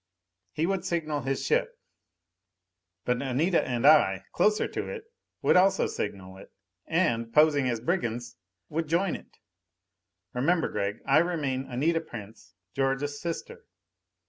He would signal his ship. But Anita and I, closer to it, would also signal it; and, posing as brigands, would join it! "Remember, Gregg, I remain Anita Prince, George's sister."